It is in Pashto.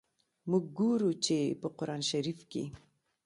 موږ ګورو چي، په قرآن شریف کي.